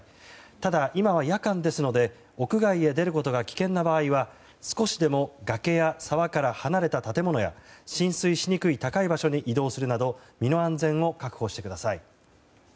ただ、今は夜間ですので屋外に出ることが危険な場合は少しでも崖や沢から離れた建物や浸水しにくい高い場所に移動するなど身の安全を確保してください。